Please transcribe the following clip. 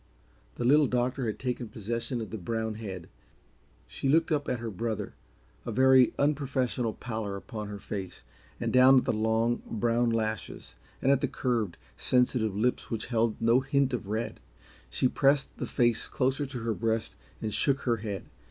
The Little Doctor had taken possession of the brown head. She looked up at her brother, a very unprofessional pallor upon her face, and down at the long, brown lashes and at the curved, sensitive lips which held no hint of red. She pressed the face closer to her breast and shook her head.